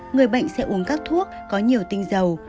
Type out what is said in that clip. người bệnh sẽ uống các thuốc có nhiều tinh dầu